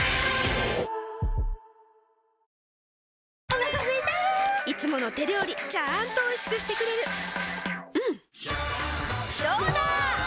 お腹すいたいつもの手料理ちゃんとおいしくしてくれるジューうんどうだわ！